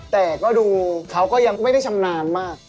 แต่ก็ดูเขาก็ยังไม่ได้ชำนาญมาก